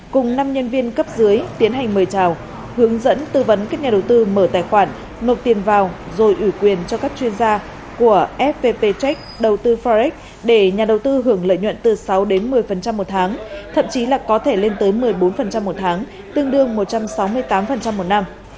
cùng năm nhân viên cấp dưới tiến hành mời trào hướng dẫn tư vấn các nhà đầu tư mở tài khoản nộp tiền vào rồi ủy quyền cho các chuyên gia của fpp check đầu tư forex để nhà đầu tư hưởng lợi nhuận từ sáu đến một mươi một tháng thậm chí là có thể lên tới một mươi bốn một tháng tương đương một trăm sáu mươi tám một năm